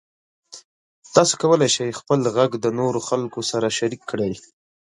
تاسو کولی شئ خپل غږ د نورو خلکو سره شریک کړئ.